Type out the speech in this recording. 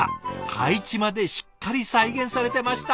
配置までしっかり再現されてました。